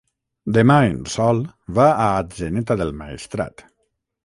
Demà en Sol va a Atzeneta del Maestrat.